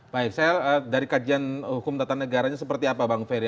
baik saya dari kajian hukum tata negaranya seperti apa bang ferry